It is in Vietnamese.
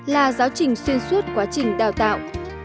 là giáo trình xuyên suốt quá trình đào tạo